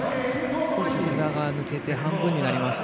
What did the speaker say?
少し、ひざが抜けて半分になりました。